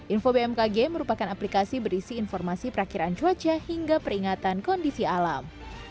info bmkg merupakan aplikasi berisi informasi perakhiran cuaca hingga peringatan kondisi alam